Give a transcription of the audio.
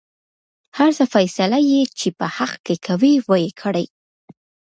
هر څه فيصله يې چې په حق کې کوۍ وېې کړۍ.